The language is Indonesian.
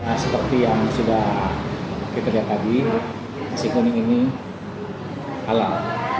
nah seperti yang sudah kita lihat tadi nasi kuning ini halal